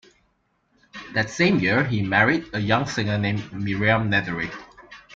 That same year he married a young singer named Miriam Nethery.